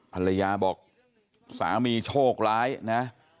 ภรรยาบอกสามีโชคร้ายนะ